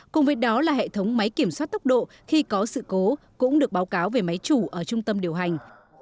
cùng với đó là hệ thống máy kiểm soát tốc độ khi có sự cố cũng được báo cáo về máy chủ ở trung tâm điều hành